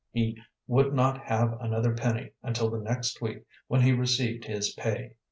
He would not have another penny until the next week when he received his pay.